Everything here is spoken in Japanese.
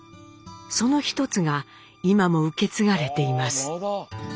その一つが今も受け継がれています。